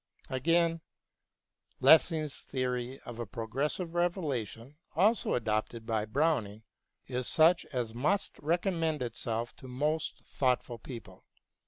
Again, Lessing's theory of a pro gressive revelation, also adopted by Browning, is such as must recommend itself to most thoughtful people.